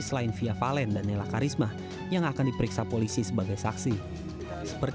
nela juga mengaku tidak pernah menggunakan produk kecantikan dsc beauty